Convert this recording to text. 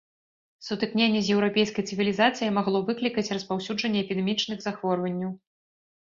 Сутыкненне з еўрапейскай цывілізацыяй магло выклікаць распаўсюджанне эпідэмічных захворванняў.